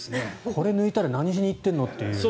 これ抜いたら何しに行ってるの？っていう。